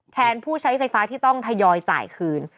ผู้ใช้ไฟฟ้าที่ต้องทยอยจ่ายคืน